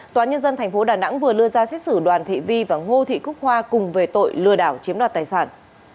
tòa nhân dân thành phố đà nẵng vừa lưa ra xét xử đoàn thị vi và ngô thị khúc hoa cùng về tội lừa đảo chiếm đoạt tài sản